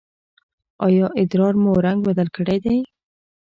ایا ادرار مو رنګ بدل کړی دی؟